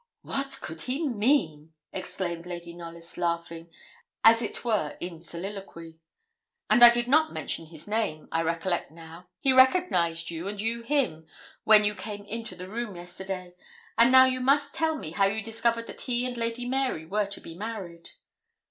'What could he mean?' exclaimed Lady Knollys, laughing, as it were, in soliloquy; 'and I did not mention his name, I recollect now. He recognised you, and you him, when you came into the room yesterday; and now you must tell me how you discovered that he and Lady Mary were to be married.'